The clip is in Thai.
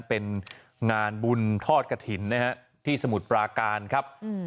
เป็นงานบุญทอดกระถิ่นนะฮะที่สมุทรปราการครับ